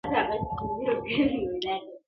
o دودونه بايد بدل سي ژر,